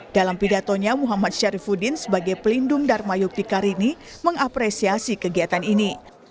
dalam pidatonya muhammad syarifudin sebagai pelindung dharma yukti karini mengapresiasi kegiatan ini